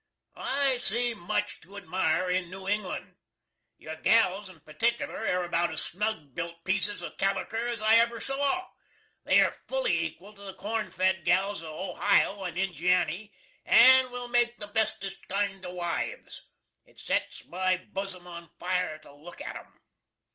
I see mutch to admire in New Englan. Your gals in partickular air abowt as snug bilt peaces of Calliker as I ever saw. They air fully equal to the corn fed gals of Ohio and Injianny and will make the bestest kind of wives. It sets my Buzzum on fire to look at 'em.